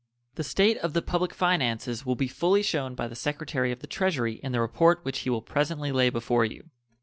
The state of the public finances will be fully shown by the Secretary of the Treasury in the report which he will presently lay before you.